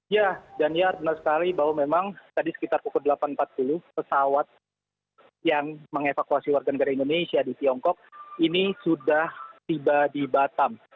ya daniar benar sekali bahwa memang tadi sekitar pukul delapan empat puluh pesawat yang mengevakuasi warga negara indonesia di tiongkok ini sudah tiba di batam